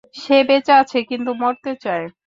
সে বেঁচে আছে কিন্তু মরতে চায়।